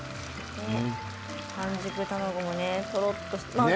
半熟卵もとろっとしてね。